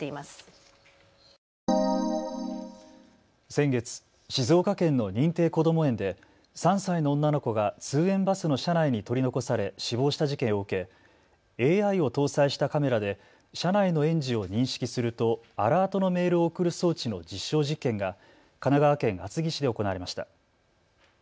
先月、静岡県の認定こども園で３歳の女の子が通園バスの車内に取り残され死亡した事件を受けＡＩを搭載したカメラで車内の園児を認識するとアラートのメールを送る装置の実証実験が神奈川県厚木市で行われました。